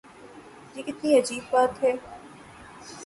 یہ کتنی عجیب بات ہے۔